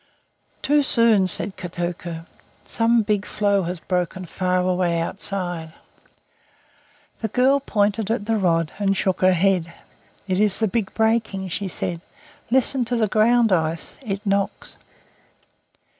"Too soon!" said Kotuko. "Some big floe has broken far away outside." The girl pointed at the rod, and shook her head. "It is the big breaking," she said. "Listen to the ground ice. It knocks."